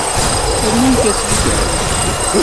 Rrnumt-as deg tehri.